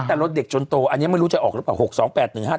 แต่รถเด็กชนโตอันนี้ไม่รู้จะออกหรือเปล่าหกสองแปดหนึ่งห้า